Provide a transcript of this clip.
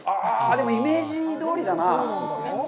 でもイメージどおりだな。